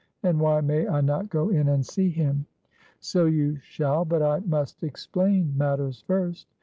And why may I not go in and see him?" "So you shall, but I must explain matters first.